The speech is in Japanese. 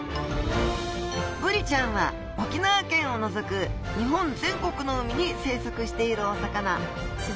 ブリちゃんは沖縄県を除く日本全国の海に生息しているお魚。